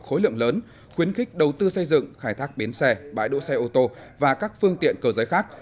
khối lượng lớn khuyến khích đầu tư xây dựng khai thác bến xe bãi đỗ xe ô tô và các phương tiện cơ giới khác